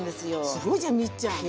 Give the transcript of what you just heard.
すごいじゃんミッちゃん。